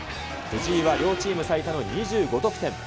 藤井は両チーム最多の２５得点。